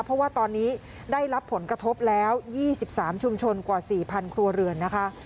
เพราะว่าตอนนี้ได้รับผลกระทบแล้ว๒๓ชุมชนกว่า๔๐๐ครัวเรือนนะคะ